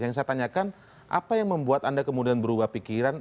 yang saya tanyakan apa yang membuat anda kemudian berubah pikiran